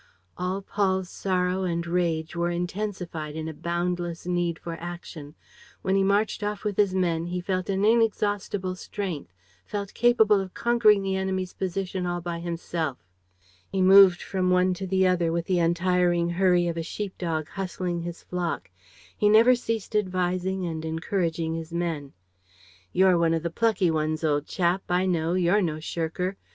All Paul's sorrow and rage were intensified in a boundless need for action; when he marched off with his men, he felt an inexhaustible strength, felt capable of conquering the enemy's position all by himself. He moved from one to the other with the untiring hurry of a sheep dog hustling his flock. He never ceased advising and encouraging his men: "You're one of the plucky ones, old chap, I know, you're no shirker. ..